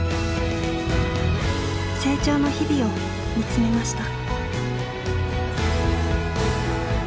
成長の日々を見つめました。